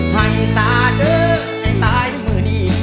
ให้สาเด้อให้ตายมือนี้